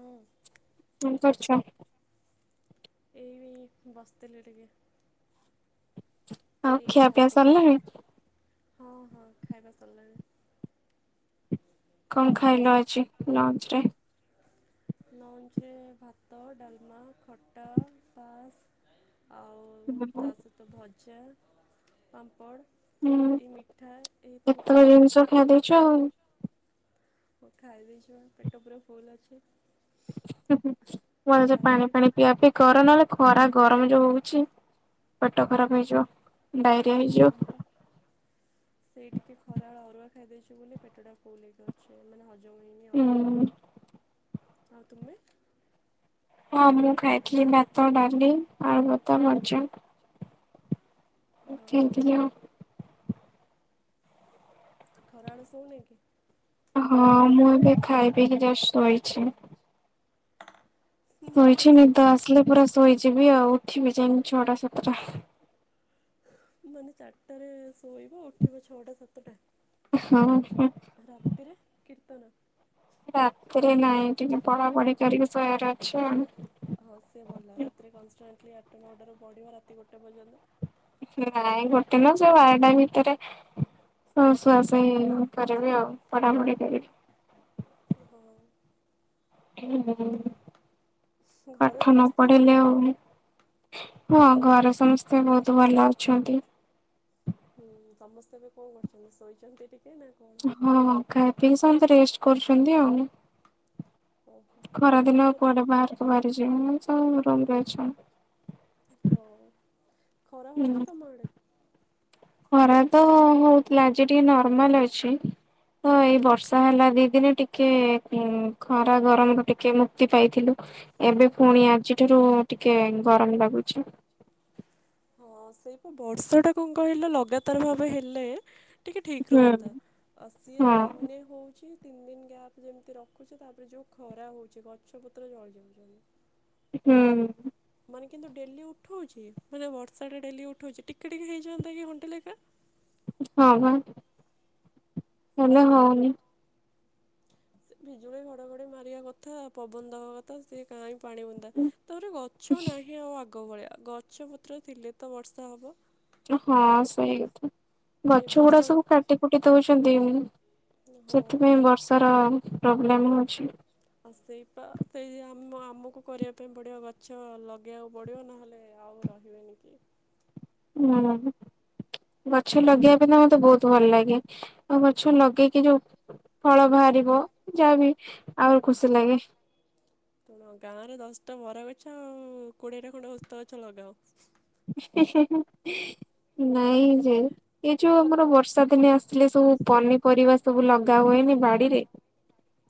ହଁ କଣ କରୁଛ। ଏଇ ବସ୍ତିଲି ଟିକେ। ଆଉ ଏଇ ଖିଆ ପିଆ ଛାତ ଉପରେ ସାରିଲାଣି। ହଁ ହଁ ଖାଇବା ସରିଲାଣି। [inaudible] କଣ ଖାଇଲ ଆଉ ଆଜି ଲଞ୍ଚ ରେ। ଲଞ୍ଚରେ ଭାତ ଡାଲମା ଖଟା ପାସ୍ ଆଉ ତା ସହିତ ଭଜା ପାମ୍ପଡ଼ ହୁଁ ଏଇ ମିଠା ଏଇ ସବୁ କେତେ ଖାଇଛି ଜିନିଷ ଖାଇ ଦେଇେଇଛୁ ଆଉ ଖାଇଛୁ ପେଟ ପୁରା ଫୁଲ ଅଛି ପାଣି ରାତିରେ ଫାଣି ପିଇବା ପିଇ କର ନହେଲେ ଖରା ଗରମ ଯୋଉ ହଉଛି। ପେଟ ଖରାପ ହେଇଯିବ। ଡାଇରିଆ ହଁ ହେଇଯିବ। ସେଇ ଟିକେ ଖରାବେଳ ଅରୁଆ ଖାଇଦେଇଛୁ ବୋଲି ପେଟ ଟା ଫୁଲକି ଅଛି ମାନେ ହଜମ ହେ ହୁଁ। ଆଉ ତୁମେ ହଁ ମୁଁ ଖାଇଥିଲି ଭାତ ଡାଲି ଆଳୁଭତା ଭଜା। ହଁ [unintelligible] ଖରାବେଳେ ଶୋଉନ କି। ହଁ ମୁଁ ଏବେ ଖାଇ ପିି ଜଷ୍ଟ ଶୋଇଛି ଶୋଇଛି ନିଦରେ ଶୋଇନା। ନିଦ ଆସିଲେ ପୁରା ଶୋଇ ଯିବି ଆଉ ଉଠିବି ଯାଇକି ଛଅଟା ସାତଟା ମାନେ ଚାରିଟାରେ ଶୋଇବ ଉଠିବ ଛଅଟା ସାତଟା ହଁ ରାତିରେ କି ରାତିରେ ନାଇଁ ଟିକେ ପଢ଼ାପଢ଼ି କରିକି ଶୋୟାରେ ଅଛି ଆଉ। ହଁ ସେ ଭଲ ରାତିରେ କନଷ୍ଟାଣ୍ଟଲି ନଅଟାରୁ ପଢିବ ରାତି ଗୋଟେ ପର୍ଯ୍ୟନ୍ତ। ନାଇଁ ଗୋଟେ ନୁଅ ସେ ବାରଟା ଭିତରେ ଅ ଶୁଆଶୁଇ କରିବି ଆଉ ପଢାପୁଢି କରିକି। ହଁ [unintelligible] ଘରେ ପାଠ ନ ସମସ୍ତେ ପଢ଼ିଲେ ଆଉ ହଁ ଘରେ ସମସ୍ତେ ବୋହୁତ ଭଲ ଅଛନ୍ତି। ହୁଁ ସମସ୍ତେ ଏବେ କଣ କରୁଚନ୍ତି ଶୋଇଚନ୍ତି ଟି ହଁ ଖାଇ ପିଇ ସମତେ ରେଷ୍ଟ କରୁଚନ୍ତି ଆଉ। ଓହୋ ତମେ ଖରାଦିନ ଆଉ ତମର କୁଆଡ଼େ ବାହାରକୁ ବାହାରିଯିବେନେଇ। ହଁ ରୁମରେ ଅଛନ୍ତି। ହଉ। ଖରା ହୁଁ ହଉଛି ତମ ଆଡ଼େ? ଖରା ତ ହୋ ହୋଉଥୁଲା ଆଜି ଟିକେ ନର୍ମାଲ ଅଛି। ତ ଏଇ ବର୍ଷା ହେଲା ଦି ଦିନି ଟିକେ ଉଁ ଖରା ଗରମରୁ ଟିକେ ମୁକ୍ତି ପାଇଥିଲୁ। ଏବେ ଫୁଣି ଆଜିଠାରୁ ଟିକେ ଗରମ ଲାଗୁଛି। ହଁ ସେଇ ପା ବର୍ଷଟା କଣ କହିଲ ଲଗାତାର ଭାବେ ହେଲେ ଟିକେ ଠିକ୍ ହୁଁ ରୁହନ୍ତା ଆଉ ସିଏ ହଁ। ଦେନେ ହୋଉଚି ତିନି ଦିନି ଗ୍ୟାପ ଯେମତି ରଖୁଚି ତାପରେ ଯୋଉ ଖରା ହୋଉଚି ଗଛ ପତ୍ର ଜଳି ଯାଉଚନ୍ତି। ହୁଁ। ମାନେ କିନ୍ତୁ ଡେଲି ଉଠଉଚି ମାନେ ବର୍ଷାଟା ଡେଲି ଉଠଉଚି ଟିକେ ଟିକେ ହେଇଯାନ୍ତା କି ଘଣ୍ଟେ ଲେଖା। [unintelligible] ସେ ହେଲେ ହଉନି। ସେ ବିଜୁଳି ଘଡ଼ଘଡ଼ି ମାରିବା କଥା ପବନ ଦବା କଥା ସେ କାଇଁ ପାଣି ବୁନ୍ଦା, ତାପରେ ଗଛ ନାହିଁ ଆଉ ଆ ଆଗ ଭଳିଆ ଗଛ ପତ୍ର ଥିଲେ ତ ବର୍ଷା ହବ। ହଁ ସେଇ କଥା। ଏ ଗଛଗୁଡା ବର୍ଷ ସବୁ କାଟି କୁଟି ଦୋଉଚନ୍ତି, ହଁ ସେଥିପାଇଁ ବର୍ଷାର ପ୍ର। [unintelligible] ଆଉ ସେଇ ପା ସେଇ ଆମ ଆମୁକୁ କରିବା ପାଇଁ ପଡ଼ିବ ଗଛ ଲଗେଇବାକୁ ପଡ଼ିବ, ନହେଲେ ଆଉ ରହିବେନି କେଇ। ହୁଁ ଗଛ ଲଗେଇବା ପାଇଁ ନା ମତେ ବୋହୁତ ଭଲ ଲାଗେ। ଆଉ ଗଛ ଲଗେଇକି ଯୋଉ ଫଳ ବାହାରିବ, ଯାହା ବି ଆହୁରି ଖୁସି ଲାଗେ। ଶୁଣ ଗାଁରେ ଦଶଟା ବର ଗଛ କୋଡିଏଟା ଖଣ୍ଡେ ଓସ୍ତ ଗଛ ଲଗାଅ। ନାଇଁ ଯେ ଏ ଯୋଉ ଆମର ବର୍ଷା ଦିନେ ଆସିଲେ ସବୁ ପନିପରିବା ସବୁ ଲଗା ହୁଏନି ବାଡିରେ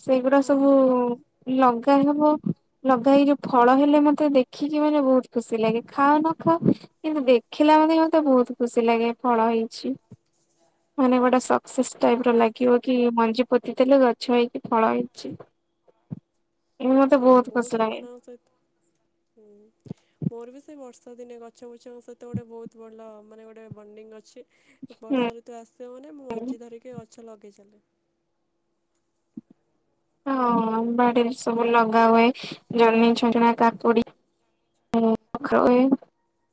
ସେଇଗୁଡା ହଁ ସବୁ ହଁ ଲଗ୍ ତାହେଲେ ମୁଁ ଲଗାଏ ଏ ଯୋଉ ଫଳ ହେଲେ ମତେ ଦେଖିକି ମାନେ ବୋହୁତ ଖୁସି ଲାଗେ ଖାଅନ ନଖାଅ କିନ୍ତୁ ଦେଖିଲା ମାନେ ମତେ ବୋହୁତ ଖୁସି ଲାଗେ। ଫଳ ହେଇଛି ମାନେ ଗୋଟେ ସକ୍ସେସ୍ ଟାଇପର ଲାଗିବ କି ମଞ୍ଜି ପୋତି ଥିଲୁ ଗଛ ହେଇକି ଫଳ ହେଇଛି। ଏ ମତେ ଦେଇ ବହୁତ ମୁଁ ଖୁସି ଲାଗେ ସେମାନଙ୍କ ସହିତ ହୁଁ ମୋର ବି ସେଇ ବର୍ଷ ବର୍ଷା ଦିନେ ଗଛ ବୃଛଙ୍କ ସହିତ ଗୋଟେ ବୋହୁତ ଭଲ ମାନେ ଗୋଟେ ବଣ୍ଡିଙ୍ଗ ଅଛି। ହୁଁ। ବର୍ଷା ଋତୁ ଆସିବ ମାନେ ମୁଁ ମଞ୍ଜି ଧରିକି ଗଛ ଲଗେଇ ଚାଲେ। ହଁ ବାଡିରେ ସବୁ ଲଗା ହୁଏ, ଜହ୍ନି ଛଞ୍ଚଣା କାକୁଡି ଲଗା ହୁଏ।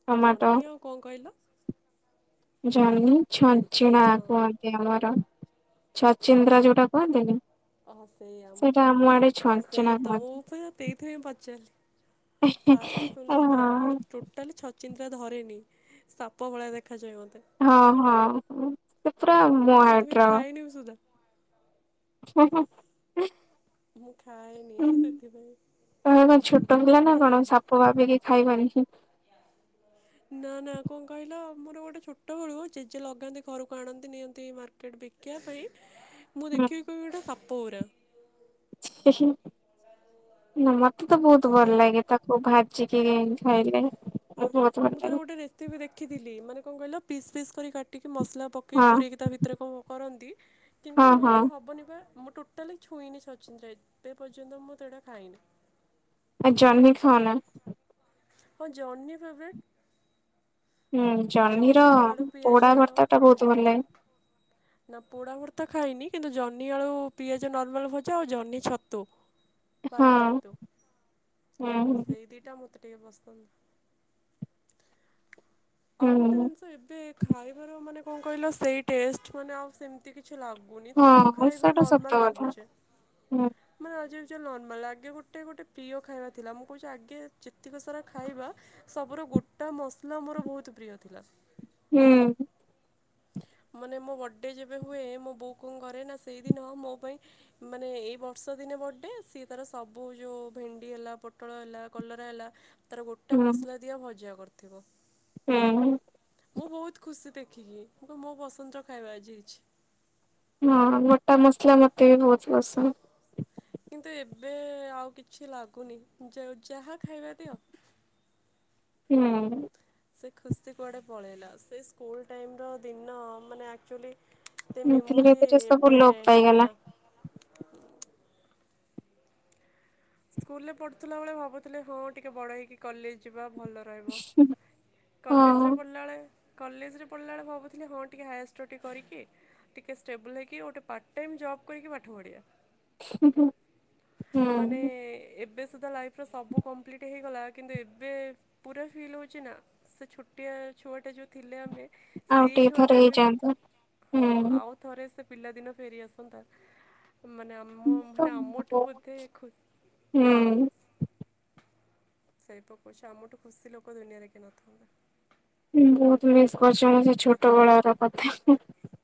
ଟମାଟୋ ଜହ୍ନି ଆଉ କଣ କହିଲ? ଜହ୍ନି ଛଞ୍ଚଣା ହଁ କୁହନ୍ତି ଆମର ଛଚିନ୍ଦ୍ରା ଯୋଉଟା କୁହନ୍ତିନି ଓହୋ ସେଇଆ ସେଇଟା ଆମ ଆଡେ ଅ ଛଞ୍ଚିଣା ସେଇ ତ ମୁଁ କୁହନ୍ତି। ପା ସେଇଥିପାଇଁ ପଚାରିଲି ଫାଷ୍ଟ ହଁ ଶୁଣିଲି ତ ମୁଁ ଟୋଟାଲି ଛଛିନ୍ଦ୍ରା ଧରେନି ସାପ ଭଳିଆ ଦେଖ ହଁ ହଁ ସେ ପୁରା। ମୁଁ ସେଥିପାଇଁ ଖାଏନି ସୁଧା [unintelligible] [unintelligible] ମୁଁ ଖାଏନି ସେଥିପାଇଁ ତମେ କଣ ଛୋଟ ପିଲା ନା ତାର କଣ ଏବେ ସାପ ଭାବିକି ଖାଇବନି। ନା ନା କଣ କହିଲ ମୋର ଗୋଟେ ଛୋଟ ବେଳୁ ଜେଜେ ଲଗାନ୍ତି ଘରକୁ ଆଣନ୍ତି ନିଅନ୍ତି ମାର୍କେଟ ବିକିବା ପାଇଁ ମୁଁ ଦେଖିବି କହିବି ଗୋଟେ ସାପ। [unintelligible] [unintelligible] ମତେ ତ ବହୁତ ଭଲ ସିଏ ଲାଗେ ତାକୁ ଭା ଚିକେନ ଖାଇଲେ ବହୁତ ଭଲ ମୁଁ ତାର ଲାଗେ ଗୋଟେ ରେସିପି ଦେଖିଥିଲି ମାନେ କଣ କହିଲ ପିସ୍ ପିସ୍ କରି ଟିକେ ମସଲା ପକେଇ ହଁ ପୁରେଇକି ତା ଭିତରେ କଣ କରନ୍ତି ହଁ କିନ୍ତୁ ମୋ ହଁ ଦ୍ୱାରା ହେବନି ବା। ଟୋଟାଲି ଛୁଇଁନି ସଚିନ୍ଦ୍ର ଏବେ ପର୍ଯ୍ୟନ୍ତ ମୁଁ ସେଟା ଖାଇନି ଆ ଜହ୍ନି ଖାାଉନା ହଁ ଜହ୍ନି ଭବେ ହୁଁ ଜହ୍ନିର ଜହ୍ନି ଆଡୁ ପୋଡା ପିଆଜ ଭର୍ତ୍ତା ଟା ବହୁତ ଭ ଭଲ ଲାଗେ ନା ପୋଡା ଭରତା ଖାଇନି କିନ୍ତୁ ଜହ୍ନି ଆଳୁ ପିଆଜ ନର୍ମାଲ ଭୋଜା ଆଉ ଜହ୍ନି ଛତୁ ବାଲି ହଁ ଛତୁ ହୁଁ ଆଉ ହୁଁ। ସେଇ ଦିଟା ମତେ ଟିକେ ପସ ହ ଆଉ ଗୋଟେ ହୁଁ ଜିନିଷ ଏବେ ଖାଇବାର ମାନେ କଣ କହିଲ ସେଇ ଟେଷ୍ଟ ମାନେ ଆଉ ସେମିତି କିଛି କିଛି ଲାଗୁନି ସବୁ ହଁ ଖାଇବା ସେଟା ସତ ନର୍ମାଲ କଥା ଲାଗୁଛେ ହୁଁ ମାନେ ଆ ଯୋଉ ନର୍ମାଲ ଆଗେ ଗୋଟେ ଗୋଟେ ପ୍ରିୟ ଖାଇବା ଥିଲା ମୁଁ କହୁଛି ଆଗେ ଯେତିକି ସାରା ଖାଇବା ସବୁର ଗୋଟା ମସଲା ମୋର ବହୁତ ତ ପ୍ରିୟ ଥିଲା ହୁଁ ମାନେ ମୋ ବର୍ଥଡେ ଯେବେ ହୁଏ ମୋ ବୋଉ କ ଘରେ ନା ସେଇଦିନ ମୋ ପାଇଁ ମାନେ ଏଇ ବର୍ଷ ଦିନେ ବର୍ଥଡେ ସିଏ ତାର ସବୁ ଯୋଉ ଭେଣ୍ଡି ହେଲା ପୋଟଳ ହେଲା କଲରା ହେଲା ତାର ଗୋଟେ ହୁଁ। ମସଲା ଦିଆ ଭଜା କରିଥା ଥିବ। ହୁଁ ମୁଁ ବହୁତ ଖୁସି ଦେ କିଏ? ଆ ମୋ ପସନ୍ଦର ଖାଇବା ଆଜି ହେଇଚି। ହଁ ଗୋଟା ମସଲା ମତେ ବହୁତ୍ ପସନ୍ଦ। କିନ୍ତୁ ଏବେ ଆଉ କିଛି ଲାଗୁନି ଯା ଯାହା ଖାଇବା ଦିଅ। ହୁଁ। ସେ ଖୁସି କୁଆଡ଼େ ପଳେଇଲା ସେ ସ୍କୁଲ ଟାଇମ ର ଦିନ ମାନେ ଆକ୍ଚୁଆଲି। ତ ଧୀରେ ମେମୋରି ଧୀରେ ସବୁ ଏବେ ଲୋପ ପାଇଗଲା। ହେଇଗଲା। ସ୍କୁଲ ରେ ପଢୁଥିଲା ବେଳେ ଭାବୁଥିଲେ ହଁ ଟିକେ ବଡ ହେଇକି କଲେଜ ଯିବା। ଭଲ ରହିବ କଲେଜରେ ହଁ ପଢ଼ିଲାବେଳେ। କଲେଜରେ ପଢିଲା ବେଳଳେ ଭାବୁଥିଲି ହଁ ଟିକେ ହାୟାର୍ ଷ୍ଟଡ଼ି କରିକି ଟିକେ ଷ୍ଟେବୁଲ୍ ହେଇକି ଗୋଟେ ପାର୍ଟ ଟାଇମ୍ ଜବ୍ କରିକି ପାଠ ପଢ଼ିବା। ମାନେ ହୁଁ। ଏବେ ସୁଦ୍ଧା ଲାଇଫ୍ର ସବୁ କମ୍ପ୍ଲିଟ୍ ହେଇଗଲା କିନ୍ତୁ ଏବେ ପୁରା ଫିଲ୍ ହେଉଛି ନା ସେ ଛୋଟିଆ ଛୁଆଟା ଯେଉଁ ଥିଲେ ଆମେ। ଆଉ ସେଇ ଟିକେ ଥର ଛୁଆଟା ଏବେ ଯେ ହେଇଯାଆନ୍ତା ହଁ ହୁଁ। ଆଉ ଥରେ ସେ ପିଲାଦିନ ଫେରିଆସନ୍ତା ମାନେ ଆମ ମାନେ ଆମଠୁ ବୋଧେ ଖୁ ହୁଁ। ସେଇପକୁଛି ଆ ମୁଠୁ ଖୁସି ଲୋକ ଦୁନିଆରେ କି ନଥା। [inaudible] ଉଁ ବହୁତ ମିସ୍ କରିଛ ସେ ଛୋଟ ବେଳ ର କଥା।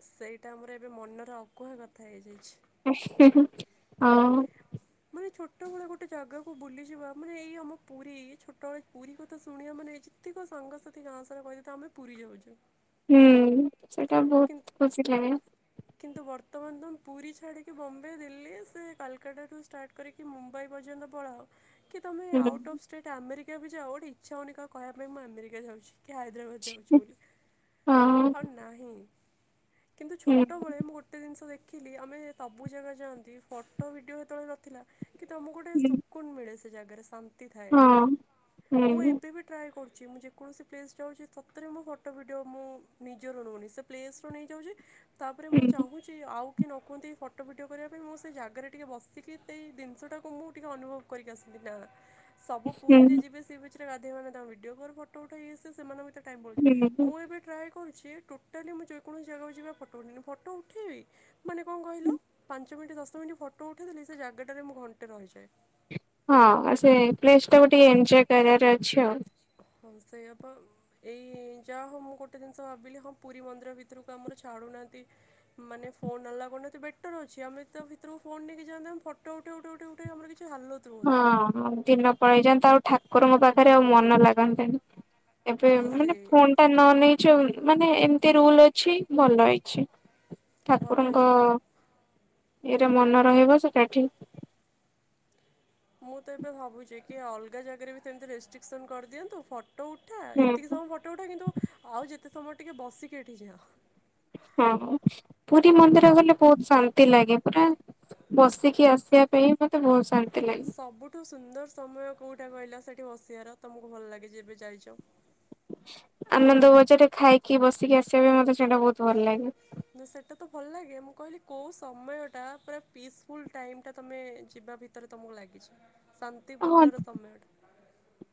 ସେଇଟା ଆମର ଏବେ ମନର ଅକୁହା କଥା ହେଇଯାଇଛି। [inaudible] ହଁ। ମାନେ ଛୋଟବେଳେ ଗୋଟେ ଜାଗାକୁ ବୁଲିଯିବା ମାନେ ଏଇ ଆମ ପୁରୀ ଛୋଟବେଳେ ପୁରୀ କଥା ଶୁଣିବା ମାନେ ଯେତିକ ସାଙ୍ଗସାଥି ସା କହିଦ ଆମେ ପୁରୀ ଯାଉଛୁ। ହୁଁ। ସେଇଟା କିନ୍ ବହୁତ ଖୁସି ଲାଗେ। କିନ୍ତୁ ବର୍ତ୍ତମାନ ତମେ ପୁରୀ ଛାଡ଼ିକି ବମ୍ବେ ଦିଲ୍ଲୀ ସେ କାଲକାତାଠୁ ଷ୍ଟାର୍ଟ କରିକି ମୁମ୍ବାଇ ପର୍ଯ୍ୟନ୍ତ ପଳାଅ। ତମେ ହୁଁ। Out of state America କୁୁ ଯାଅ ଆ ଗଟେ ଇଛା ହେଉନି କହିବା ପାଇଁଁ ଆମେରିକା ଯାଉଛି। କି ହଦରାବାଦ ଯାଉଚ ବୋଲି ହଁ [inaudible] ଆଉ ନାହିଁ। କିନ୍ତୁଛୋଟ। ହୁଁ ଟବେଳେ ମୁ ଗୋଟେ ଜିନିଷ ଦେ। ଦେଖିଲି ଆମେ ସବୁ ଜାଗା ଯାଆନ୍ତି, ଫଟୋ ଭିଡ଼ିଓ ଯେତେବେଳେ ନଥିଲା। କି ତମକୁ ଗୋଟେ ହୁଁ ସୁକୁୁନ ମିଳେସି। ଜାଗାରେ ସ। ତି ଥାଏ ହଁ ମୁଁ ହୁଁ। ଏବେ ବି ଟ୍ରାଏ କରୁ ମୁଁ ଯେକୌଣସି ପ୍ଲେସ୍ ଯାଉଛି ତତରେ ମୋ ଫଟୋ ଭିଡିଓ ମୁଁ ନିଜର ନୁହନି ସେ ପ୍ଲେସ ରୁ ନେଇଯାଉଛି। ତାପରେ ମୁଁ ଚାହୁଁଛି ଆଉ କି ନ କୁହନ୍ତି ଫଟୋ ଫିଡ଼ିଓ କରିବା ପାଇଁ ମୁଁ ସେ ଜାଗାରେ ଟିକେ ବସିକି ସେଇ ଜିନିଷଟାକୁ ମୁଁ ଟିକେ ଅନୁଭବ କରିକି ଆସନ୍ତି ନାଁ। ସବୁ ହୁଁ ପୁରୀରେ ଯିବେ ସେ ଗାଧୋଇ ମମାନେ ତାଙ୍କ ଭିଡିଓ କ ଫଟୋ ଉଠାଇ ଆସେ ସେମାନେ ଟାଇମ୍ ପଳାଉଛି ହୁଁ ହୁଁ। ମୁଁ ଏବେ ଟ୍ରଏ କ କଣଛି ଟୋଟାଲି ମୁଁ ଯେକଣସି ଜାଗାକୁ ଯିବା ଫୋ ଉଠେଇି ଫଟୋ ଉଠେଇବି ମାନେ କଣ କହିଲ ପାଞ୍ଚ ମିନିଟ୍ ଦଶ ମିନିଟ୍ ଫଟୋ ଉଠାଇଦେଲି ସେ ଜାଗାଟାରେ ମୁଁ ଘଣ୍ଟେ ରହିଯାଏ। ହଁ ସେ ପ୍ଲେସ୍ ଟା ଟିକେ ଏନ୍ଜୟ କରିବାର ଅଛି ଆଉ। ହଁ ସେଇଆପ ଏଇ ଯାହା ହଉ ମୁଁ ଗୋଟେ ଜିନିଷ ଭାବିଲି ହଁ ପୁରୀ ମନ୍ଦିର ଭିତରକୁ ଆମର ଛାୁଡୁନାହାନ୍ତି ମାନେ ଫୋନ ନ ଲାଗୁନାହାନ୍ତି ବେଟର ଅଛି ଆମେ ତ ଭିତରକୁ ଫୋନ ନେଇକି ଯାଆ ଆମେ ଫଟୋ ଉଠେଇ ଉଠ ଉଠେଇ ଉଠେଇ ଆମର କିଛି ହାଲତ ରୁହନ୍ତାନି। ହଁ ଦିନ ପଳେଇ ଯେନ୍ତା ଆଉ ଠା ର ମୋ ପାଖରେ ଆଉ ମନ ଲାଗନ୍ତନି। ଏବେ ହଁ ମାନେ ସେଇ ଫୋନଟା ନ ନେଇଛ ମାନେ ଏମିତି ରୁଲ ଅଛି ଅଛି ଭଲ ଅଇଛି। ଭଲ ଠାକୁରଙ୍କ ହେଇଛି [inaudible] ମୁଁ ଏଟ ମନ ରହିବ ସେଟାଠିକ। [inaudible] ମୁଁ ତ ଏବେ ଭାବୁଛି କି ଅଲଗା ଜାଗାରେ ବି ସେମିତି ରେଷ୍ଟ୍ରିକସନ କରିଦିଅନ୍ତୁ ଫ ଫଟୋ ଉଠା ହୁଁ ଏତିକି ସବୁ ଫଟୋ ଉଠା କିନ୍ତୁ ଆଉ ଯେ ତ ତମର ଟିକେ ବସିକି ଏଠି ଯାଅ ହଁ ପୁରୀ ନା ମନ୍ଦିର ଗଲେ ବହୁତ ଶାନ୍ତି ଲାଗେ। ପୁରା ବସିକି ଆସିବା ପାଇଁ ମତେ ବହୁତ ସା ସବୁଠୁ ସୁନ୍ଦର ସମୟ କୋଉଟା କହିଲା ସେଠ ଠି ବସିଆବାର ତମକୁ ଭଲ ଲାଗେ ଯେ ଏବେ ଯାଇଛ। ଆନନ୍ଦ ବଜାର ଖାଇକି ବସିକି ଆସିବା ପାଇଁ ମତେ ସେଇଟା ବହୁତ ଭଲ ଲାଗେ। ନା ସେଟା ତ ଭଲ ଲାଗେ ମୁଁ କହିଲି କୋଉ ସମୟ ଟା ପ ପିସଫୁଲ ଟାଇମ ଟା ତମେ ଯିବା ଭିତରେ ତମକୁ ଲାଗିଛି। ହଁ ଶାନ୍ତିପୂର୍ଣ୍ଣର ସମୟଟା।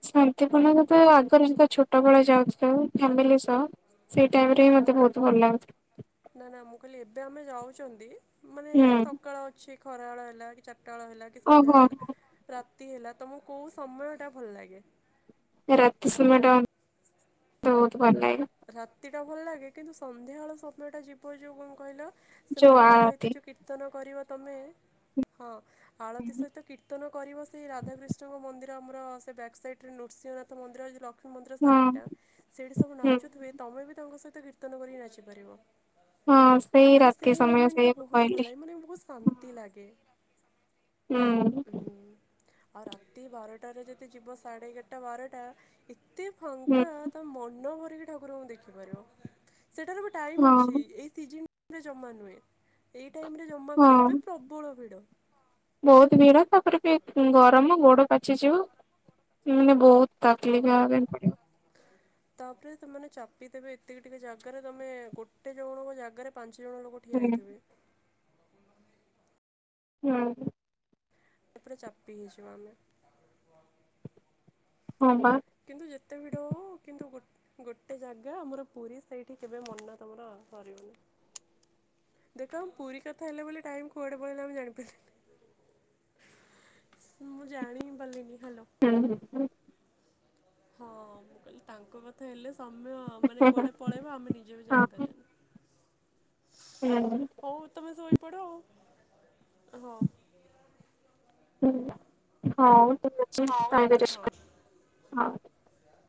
ଶାନ୍ତିପୂର୍ଣ୍ଣ। ତ ଆଗରୁ ଯେତ ଛୋଟବେଳେ ଯାଉଥିଲୁ ଫ୍ୟାମିଲି ସହ ସେଇ ଟାଇମ ରେ ହିଁ ମୋତେ ବହୁତ ଭଲ ଲାଗୁଥିଲା। ନା ନା ମୁଁ କହିଲି ଏବେ ଆମେ ଯାଉଛନ୍ତି ମାନେ ହୁଁ ସକାଳ ଅଛି ଖରା ବେଳ ହେଲା କି ସକାଳ ହେଲା କି ସନ୍ଧ୍ୟାଳ ଓହୋ। ହେଲା ରାତି ହେଲା ତମକୁ କୋଉ ସମୟ ଟା ଭଲ ଲାଗେ। ରାତି ସମୟ ଟ ହଉ। ରାତ୍ରି ଟା ଭଲ ଲାଗେ କିନ୍ତୁ ସନ୍ଧ୍ୟାବେଳଳେ ସମୟଟା ଯିବ ଯୋଗୁଁ ମୁଁ କହିଲ ଯୋଉ ଆ ସେମାନଙ୍କ ରାତି। ସହିତ ଯୋଉ କୀର୍ତ୍ତନ କରିବ ତମେ ଆଳତି ସହିତ କୀର୍ତ୍ତନ କରିବ ସେଇ ରାଧାକୃଷ୍ଣଙ୍କ ମନ୍ଦି ଆମର ସେ ବ୍ୟାକ୍ ସାଇଡ ରେ ନୃସିଂହନାଥ ମନ୍ଦିର ଲ ମନ୍ଦିର ହଁ ସାଇଟ ସେଇଠି ସବୁ ନା ହୁଁ ଚୁ ଥିବେ ତମେ ବି ତାଙ୍କ ସହିତ କୀର୍ତ୍ତନ କରିକି ନାଚିପାରିବ। ହଁ ମାନେ ରାତି ସେଇ ସମୟ ମୋମେଣ୍ଟ ଟା ସେଇଆକୁ ବହୁତ କହିଲି। ଭଲ ଲାଗେ ମାନେ ବହୁତ ଶାନ୍ତି ଲାଗେ। ହୁଁ। ଆଉ ରାତି ବାରଟାରେ ଯଦି ଯିବ ସାଢ଼େ ଏଗାରଟା ବାରଟା ଏ ତେ ହୁଁ ଫାଙ୍କା ତମେ ମନ ଭ ଠାକୁରଙ୍କୁ ଦେଖିପାରିବ। ସେଟାର ବି ଟାଇମ ଅଛି ହଁ ଏଇ ସିଜ ରେ ଜମା ନୁହେଁ ଏଇ ଏଇ ଟାଇମ୍ ରେ ଜମା ଗଲେ ଏବେ ହଁ ପ୍ରବଳ ଭିଡ। ବହୁତ ଭିଡ ତାପରେ ଗରମ ଗୋଡ ପାଚିଯିବ ମାନେ ବହୁତ ହଁ। ତକଲିଫ ହବା ପାଇଁ ପଡ଼ିବ। ତାପରେ ତମେମାନେ ଚାପିଦେବେ ଏତିକି ଟିକେ ଜାଗାରେ ତମେ ଗୋଟେ ଜଣଙ୍କ ଜାଗାରେ ପାଞ୍ଚ ଦି ଜଣ ଲୋକ ଠିଆ ହୁଁ ହେଇଥିବେ। ହୁଁ। ତାପରେ ଚାପି ହେଇଯିବୁ ଆମେ [inaudible] ହଁ ବା। କିନ୍ତୁ ଯେତେ ଭିଡ ହଉ କିନ୍ତୁ ଗୋଟେ ଜାଗା ଆମର ପୁରୀ ସେଇଠି କେବେ ମନ ତମର ସରିବନି ଦେଖ ଆମେ ପୁରୀ କଥା ହେଲେ ବୋଲି ଟାଇମ୍ କୁଆଡେ ପଳେଇଲା ଆମେ ଜାଣି ପାରିଲେନି। ମୁଁ ଜାଣି ହିଁ ପାରିଲିନି। ହ୍ୟାଲୋ। ହୁଁ ହୁଁ ହୁଁ। ହଁ ମୁଁ କହିଲି ତାଙ୍କ କଥା ହେଲେ ସମୟ ମାନେ କୁଆଡେ ପଳେଇବ ଆମେ ନିଜେ ବି ହଁ ହୁଁ। ଜାଣିପାରିବାନି। [inaudible] ହଉ ତମେ ସୋଇ ପଡ ଆଉ। ହଁ। [inaudible] ହୁଁ [inaudible] ହଉ। ହଁ। [unintelligible] ହଉ।